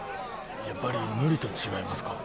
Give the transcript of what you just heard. やっぱり無理と違いますか？